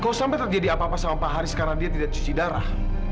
kalau sampai tak jadi apa apa sama pak haris karena dia tidak cuci darah